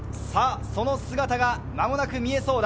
姿が間もなく見えそうだ。